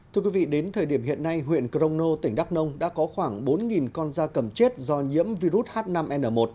thưa quý vị đến thời điểm hiện nay huyện crono tỉnh đắk nông đã có khoảng bốn con da cầm chết do nhiễm virus h năm n một